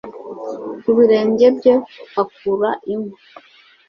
Ku birenge bye hakura inkwi